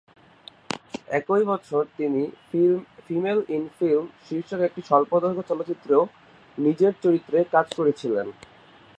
একই বছর তিনি "ফিমেল ইন ফিল্ম" শীর্ষক একটি স্বল্পদৈর্ঘ্য চলচ্চিত্রেও নিজের চরিত্রে কাজ করেছিলেন।